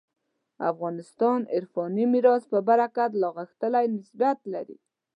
افغانستان عرفاني میراث په برکت لا غښتلی نسبت لري.